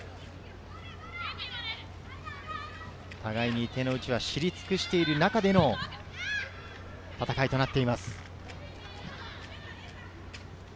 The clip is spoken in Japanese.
互いに手の内を知り尽くしている中での戦いとなっています。